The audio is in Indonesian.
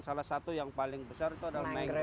salah satu yang paling besar itu adalah mangrove